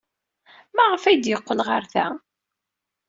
Maɣef ay d-yeqqel ɣer da?